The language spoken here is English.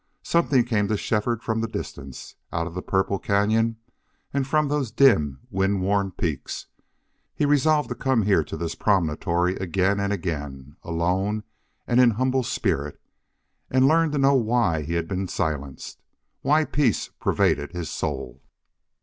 Something came to Shefford from the distance, out of the purple cañon and from those dim, wind worn peaks. He resolved to come here to this promontory again and again, alone and in humble spirit, and learn to know why he had been silenced, why peace pervaded his soul.